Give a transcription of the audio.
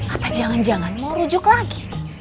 apa jangan jangan mau rujuk lagi